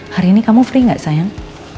hari ini kamu free gak sayang